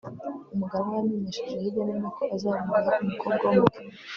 umuganwa yamenyesheje hirya no hino ko azarongora umukobwa wumukene